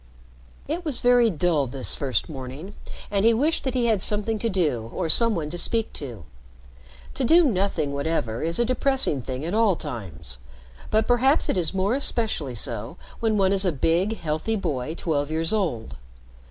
It was very dull this first morning, and he wished that he had something to do or some one to speak to. To do nothing whatever is a depressing thing at all times, but perhaps it is more especially so when one is a big, healthy boy twelve years old.